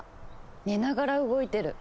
寝ながら動いてる。